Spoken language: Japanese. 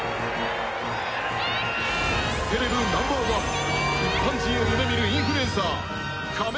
セレブナンバーワン一般人を夢見るインフルエンサー仮面